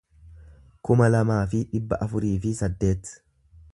kuma lamaa fi dhibba afurii fi saddeet